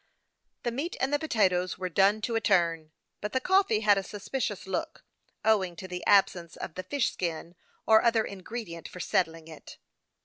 The meat and the potatoes were " done to a turn," but the coffee had a suspicious look, owing to the absence of the fish skin, or other ingredient, for set tling it.